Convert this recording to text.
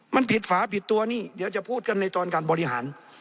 มันผิดฝาผิดตัวนี่เดี๋ยวจะพูดกันในตอนการบริหาร